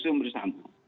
kita susul bersama